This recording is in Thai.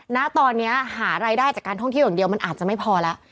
ณตอนนี้หารายได้จากการท่องเที่ยวอย่างเดียวมันอาจจะไม่พอแล้ว